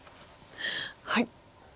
はい！